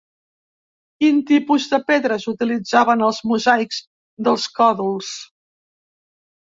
Quin tipus de pedres utilitzaven els mosaics dels còdols?